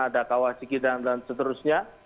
ada kawasikitan dan seterusnya